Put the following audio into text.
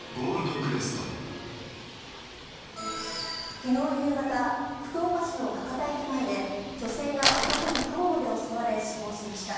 昨日夕方福岡市の博多駅前で女性が男に刃物で襲われ死亡しました。